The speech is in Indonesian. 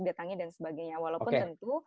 datangnya dan sebagainya walaupun tentu